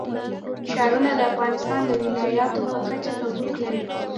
ښارونه د افغانستان د ولایاتو په کچه توپیر لري.